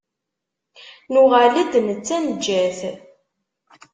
Nuɣal-d, netta neǧǧa-t.